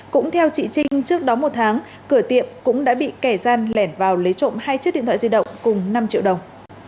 cũng theo chị trinh trước đó một tháng cửa tiệm cũng đã bị kẻ gian lẻn vào lấy trộm hai chiếc điện thoại di động cùng năm triệu đồng